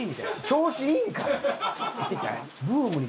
調子いいんかい！